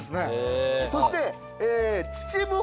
そして。